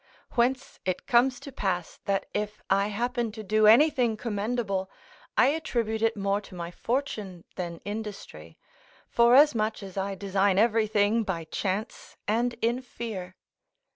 Whence it comes to pass that if I happen to do anything commendable, I attribute it more to my fortune than industry, forasmuch as I design everything by chance and in fear.